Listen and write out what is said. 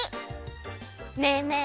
ねえねえ